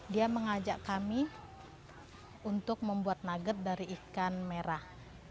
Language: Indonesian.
dia mengajak kami untuk membuat nugget dari ikan merah